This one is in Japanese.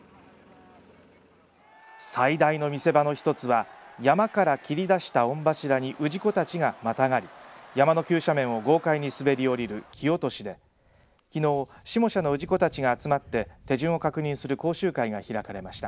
最大の見せ場の一つは山から切り出した御柱に氏子たちがまたがり山の急斜面を豪快に滑りおりる木落としできのう下社の氏子たちが集まって手順を確認する講習会が行われました。